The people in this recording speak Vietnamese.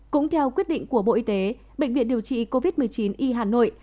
cũng theo quyết định của bộ y tế bệnh viện điều trị covid một mươi chín y hà nội